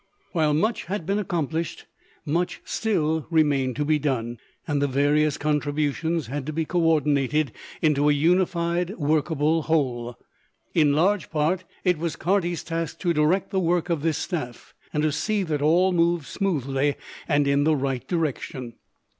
While much had been accomplished, much still remained to be done, and the various contributions had to be co ordinated into a unified, workable whole. In large part it was Carty's task to direct the work of this staff and to see that all moved smoothly and in the right direction.